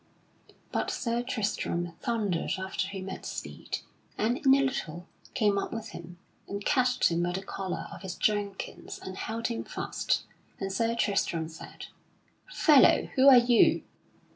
But Sir Tristram thundered after him at speed, and, in a little, came up with him, and catched him by the collar of his jerkin and held him fast. And Sir Tristram said: "Fellow, who are you?"